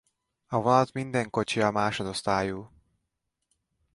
A vonat minden kocsija másodosztályú.